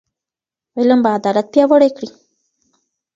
علم به عدالت پیاوړی کړي.